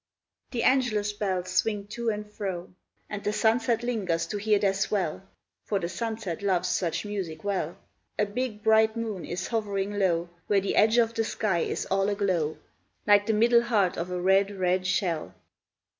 The Angelus bells siring to and fro, And the sunset lingers to hear their swell, For the sunset loves such music well. A big, bright moon is hovering low, Where the edge of the sky is all aglow, Like the middle heart of a red, red shell.